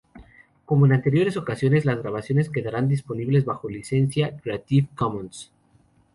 Como en anteriores ocasiones, las grabaciones quedarán disponibles bajo licencia "Creative Commons".